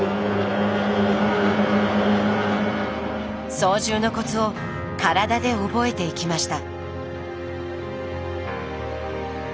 操縦のコツを体で覚えていきました。